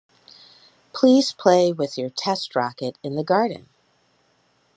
Please play with your test rocket in the garden!